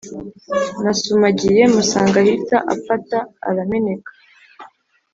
Nasumagiye musanga ahita apfata arameka